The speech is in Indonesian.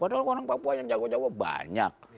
padahal orang papua yang jago jago banyak